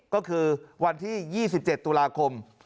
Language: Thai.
ก็คือวันที่๒๗ตุลาคม